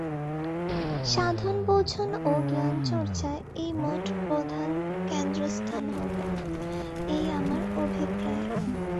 সাধন-ভজন ও জ্ঞানচর্চায় এই মঠ প্রধান কেন্দ্রস্থান হবে, এই আমার অভিপ্রায়।